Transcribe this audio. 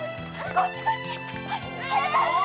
こっちこっち！